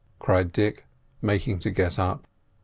cried Dick, making to get up.